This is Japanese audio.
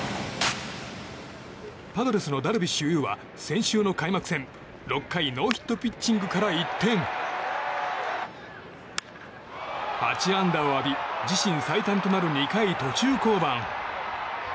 パドレスのダルビッシュ有選手は先週の開幕戦６回ノーヒットピッチングから一転８安打を浴び自身最短となる２回途中降板。